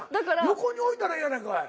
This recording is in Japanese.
横に置いたらええやないかい。